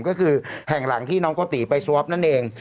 ก็คือแห่งหลังที่น้องโกติไปสวอปนั่นเอง